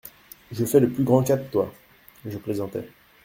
Je fais le plus grand cas De toi… je plaisantais.